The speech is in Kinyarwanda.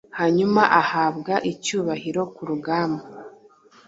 Hanyuma ahabwa icyubahiro ku rugamba